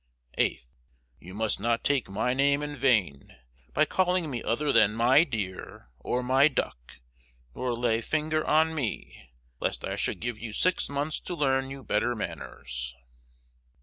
8th. You must not take my name in vain by calling me other than my dear, or my duck, nor lay finger on me, lest I should give you six months to learn you better manners.